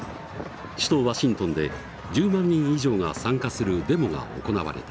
首都ワシントンで１０万人以上が参加するデモが行われた。